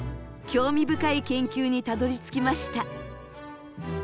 興味深い研究にたどりつきました。